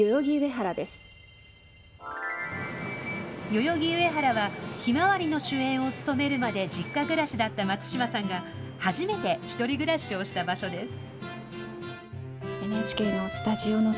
代々木上原は「ひまわり」の主演を務めるまで実家暮らしだった松嶋さんが初めて１人暮らしをした場所です。